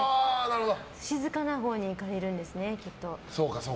静かなほうに行かれるんですね。